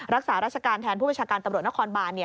รักษาราชการแทนผู้บัญชาการตำรวจนครบาน